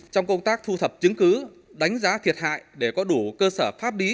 trong công tác thu thập chứng cứ đánh giá thiệt hại để có đủ cơ sở pháp lý